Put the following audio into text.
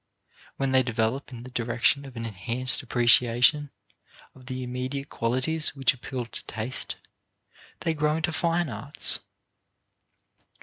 When they develop in the direction of an enhanced appreciation of the immediate qualities which appeal to taste, they grow into fine arts.